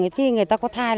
khi người ta có thai